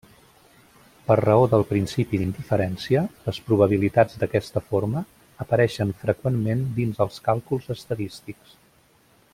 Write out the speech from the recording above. Per raó del principi d'indiferència, les probabilitats d'aquesta forma apareixen freqüentment dins els càlculs estadístics.